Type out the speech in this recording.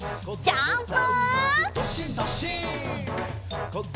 ジャンプ！